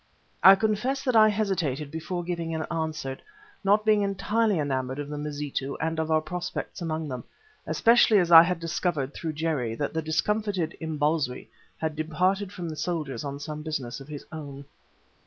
I confess that I hesitated before giving an answer, not being entirely enamoured of the Mazitu and of our prospects among them, especially as I had discovered through Jerry that the discomfited Imbozwi had departed from the soldiers on some business of his own.